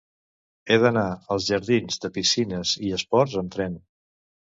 He d'anar als jardins de Piscines i Esports amb tren.